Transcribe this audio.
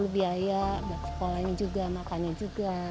biaya buat sekolahnya juga makannya juga